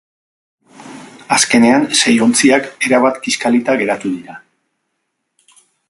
Azkenean, sei ontziak erabat kiskalita geratu dira.